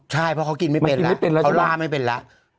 ใช่เพราะเขากินไม่เป็นแล้วเขาล่าไม่เป็นแล้ว